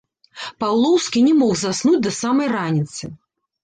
Паўлоўскі не мог заснуць да самай раніцы.